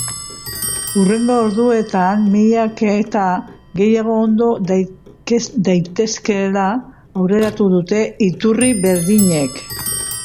Hurrengo orduetan miaketa gehiago egon daitezkeela aurreratu dute iturri berdinek.